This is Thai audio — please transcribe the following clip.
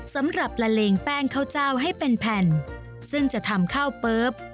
สำหรับละเลงแป้งข้าวเจ้าให้เป็นแผ่นซึ่งจะทำข้าวเปิ๊บ